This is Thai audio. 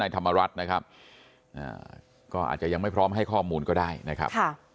ธรรมรัฐนะครับก็อาจจะยังไม่พร้อมให้ข้อมูลก็ได้นะครับ